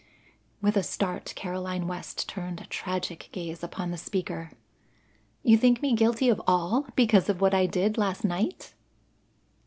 With a start, Caroline West turned a tragic gaze upon the speaker. "You think me guilty of all because of what I did last night?"